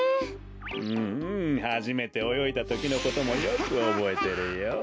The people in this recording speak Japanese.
うんうんはじめておよいだときのこともよくおぼえてるよ。